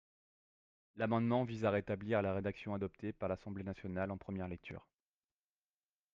L’amendement vise à rétablir la rédaction adoptée par l’Assemblée nationale en première lecture.